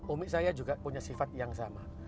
umi saya juga punya sifat yang sama